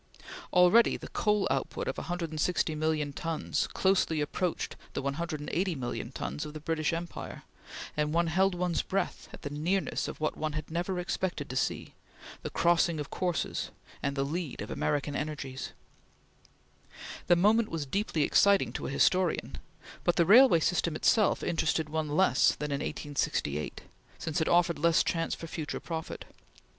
Already the coal output of 160,000,000 tons closely approached the 180,000,000 of the British Empire, and one held one's breath at the nearness of what one had never expected to see, the crossing of courses, and the lead of American energies. The moment was deeply exciting to a historian, but the railway system itself interested one less than in 1868, since it offered less chance for future profit.